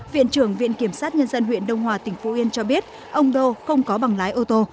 viện trưởng viện kiểm sát nhân dân huyện đông hòa tỉnh phú yên cho biết ông đô không có bằng lái ô tô